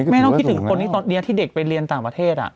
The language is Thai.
ต้องคิดถึงคนที่ตอนนี้ที่เด็กไปเรียนต่างประเทศ